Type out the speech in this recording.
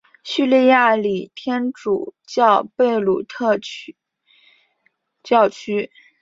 叙利亚礼天主教贝鲁特教区。